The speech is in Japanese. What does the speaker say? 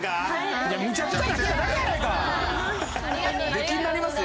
出禁になりますよ。